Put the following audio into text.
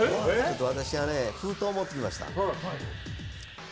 私が封筒持ってきました。